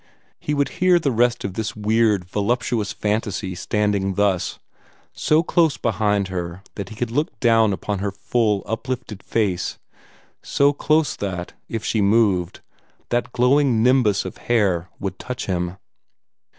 He would hear the rest of this weird, voluptuous fantasy standing thus, so close behind her that he could look down upon her full, uplifted lace so close that, if she moved, that glowing nimbus of hair would touch him.